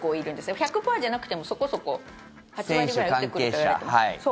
１００％じゃなくてもそこそこ８割ぐらい打ってくるといわれています。